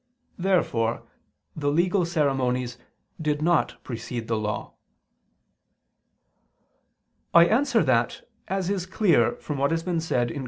Therefore the legal ceremonies did not precede the Law. I answer that, As is clear from what has been said (Q.